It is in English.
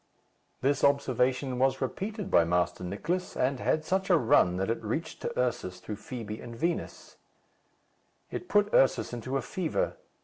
This observation was repeated by Master Nicless, and had such a run that it reached to Ursus through Fibi and Vinos. It put Ursus into a fever.